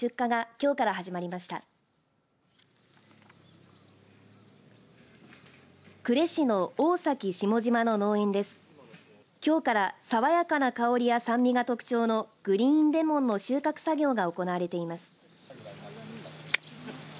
きょうから爽やかな香りや酸味が特徴のグリーンレモンの収穫作業が行われています。